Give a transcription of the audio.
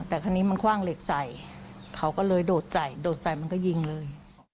แต่คราวนี้มันคว่างเหล็กใส่เขาก็เลยโดดใส่โดดใส่มันก็ยิงเลย